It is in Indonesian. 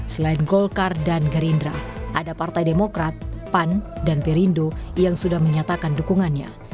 selain golkar dan gerindra ada partai demokrat pan dan perindo yang sudah menyatakan dukungannya